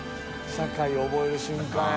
社会を覚える瞬間や。